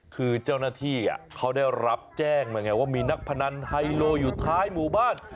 คือเจ้าหน้าที่เขาได้รับแจ้งมาไงว่ามีนักพนันไฮโลอยู่ท้ายหมู่บ้าน